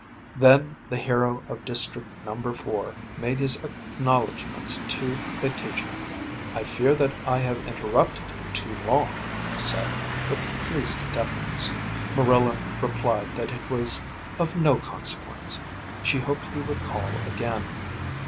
Then the Hero of District Number Four made his acknowledgments to the teacher. "I fear that I have interrupted you too long," he said, with pleasing deference. Marilla replied that it was of no consequence; she hoped he would call again.